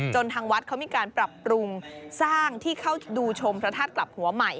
ทางวัดเขามีการปรับปรุงสร้างที่เข้าดูชมพระธาตุกลับหัวใหม่